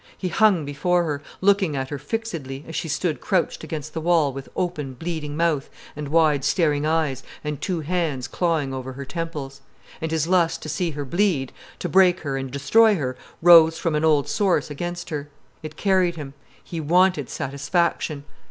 He hung before her, looking at her fixedly, as she stood crouched against the wall with open, bleeding mouth, and wide staring eyes, and two hands clawing over her temples. And his lust to see her bleed, to break her and destroy her, rose from an old source against her. It carried him. He wanted satisfaction.